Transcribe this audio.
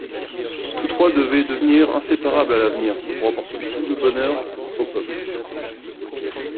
Tous trois devaient devenir inséparables à l'avenir pour apporter tout le bonheur au peuple.